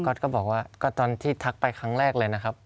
ก็บอกว่าก็ตอนที่ทักไปครั้งแรกเลยนะครับ